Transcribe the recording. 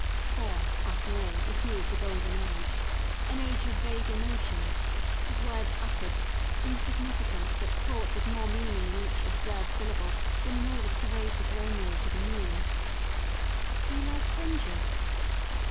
For, after all, it is a golden age, an age of vague emotions, of words uttered, in* significant, but fraught with more meaning in each absurd syllable than in all the tirades of Romeo to the moon: Do you like fringes?"